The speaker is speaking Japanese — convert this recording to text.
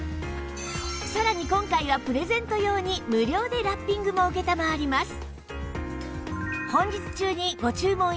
さらに今回はプレゼント用に無料でラッピングも承ります